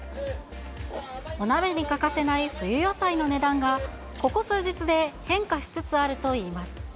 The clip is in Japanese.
お鍋に欠かせない冬野菜の値段が、ここ数日で変化しつつあるといいます。